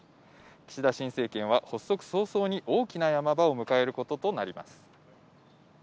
岸田新政権は発足早々に大きな山場を迎えることになります。